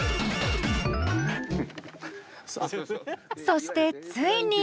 そしてついに。